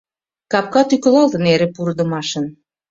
Капка тӱкылалтын эре пурыдымашын